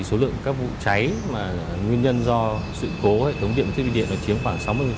số lượng các vụ cháy mà nguyên nhân do sự cố hệ thống điện thiết bị điện chiếm khoảng sáu mươi